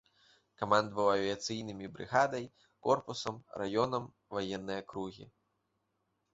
Камандаваў авіяцыйнымі брыгадай, корпусам, раёнам ваеннай акругі.